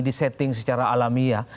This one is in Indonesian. di setting secara alamiah